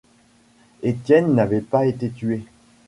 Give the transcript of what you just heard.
Étienne n’avait pas été tué.